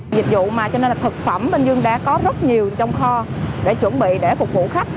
dịch vụ mà cho nên là thực phẩm bình dương đã có rất nhiều trong kho để chuẩn bị để phục vụ khách